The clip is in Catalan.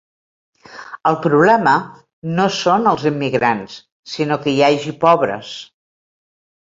El problema no són els immigrants sinó que hi hagi pobres.